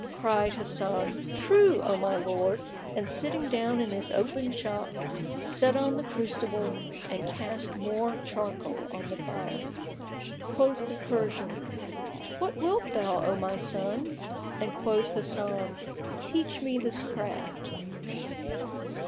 Cried Hasan, "True, O my lord," and sitting down in his open shop, set on the crucible and cast more charcoal on the fire. Quoth the Persian, "What wilt thou, O my son?"; and quoth Hasan, "Teach me this craft."